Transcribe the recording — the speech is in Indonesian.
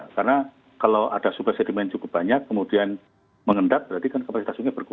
karena kalau ada subas sedimen cukup banyak kemudian mengendap berarti kan kapasitas sungai berkurang juga